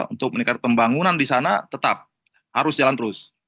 untuk meningkatkan pembangunan di sana tetap harus jalan terus